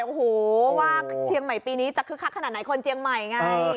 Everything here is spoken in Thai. โอ้โหว่าเชียงใหม่ปีนี้จะคึกคักขนาดไหนคนเชียงใหม่ไง